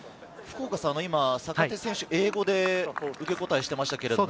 今、坂手選手、英語で受け答えしていましたけれど。